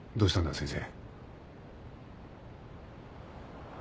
先生。